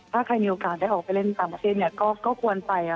ถ้าใครมีโอกาสได้ออกไปเล่นต่างประเทศก็ควรไป